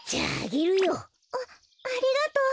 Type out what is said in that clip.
あっありがとう。